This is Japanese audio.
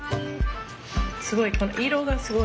すごい！